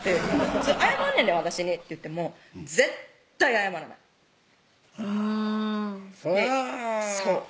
「普通謝んねんで私に」って言っても絶対謝らないうんそら